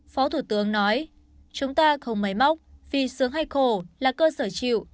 phó thủ tướng nói chúng ta không mấy móc vì sướng hay khổ là cơ sở chịu